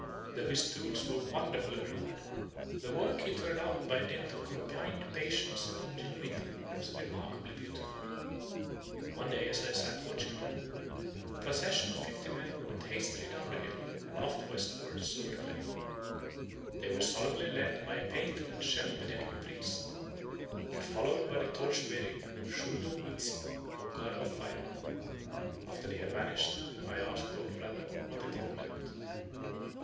Though his tools were wonderfully rude, the work he turned out by dint of combined patience and ingenuity was remarkably beautiful. One day as I sat watching him, a procession of fifty men went hastily down the hill, and off westward over the plain. They were solemnly led by a painted and shell bedecked priest, and followed by the torch bearing Shu lu wit si or God of Fire. After they had vanished, I asked old brother what it all meant.